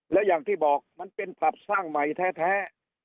และอย่างที่บอกมันเป็นภาพสร้างใหม่แท้แท้